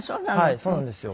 はいそうなんですよ。